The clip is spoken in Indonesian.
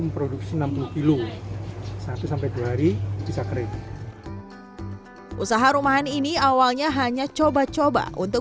memproduksi enam puluh kilo satu sampai dua hari bisa kering usaha rumahan ini awalnya hanya coba coba untuk